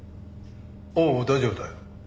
ああ大丈夫だよ。